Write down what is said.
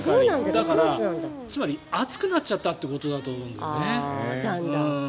だから、つまり暑くなっちゃったということだと思うんですよね。